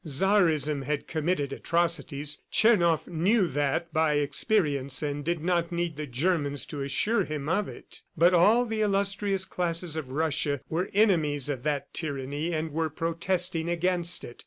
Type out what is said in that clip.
Czarism had committed atrocities. Tchernoff knew that by experience, and did not need the Germans to assure him of it. But all the illustrious classes of Russia were enemies of that tyranny and were protesting against it.